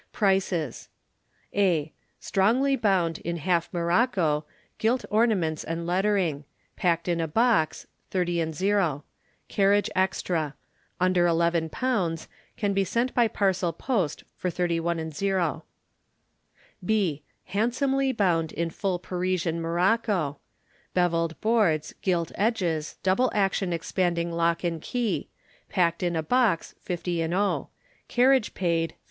PRICES. A. Strongly bound in half morocco, gilt ornaments and lettering; packed in a box, 30/ ; carriage extra. Under 11 lbs., can be sent by parcel post for 31/ . B. Handsomely bound in full Persian morocco, bevelled boards, gilt edges, double action expanding lock and key; packed in a box, 50/ ; carriage paid, 51